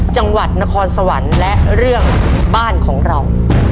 จังหวัดนครสวรรค์และเรื่องบ้านของเรา